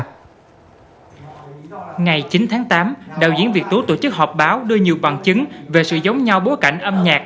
ngày chín tháng tám đạo diễn việt tú tổ chức họp báo đưa nhiều bằng chứng về sự giống nhau bối cảnh âm nhạc